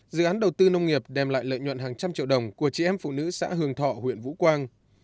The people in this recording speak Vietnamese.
dự án đầu tư nông nghiệp đem lại lợi nhuận hàng trăm triệu đồng của chị em phụ nữ xã hương thọ huyện vũ quang